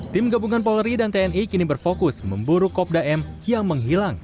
tim gabungan polri dan tni kini berfokus memburu kopda m yang menghilang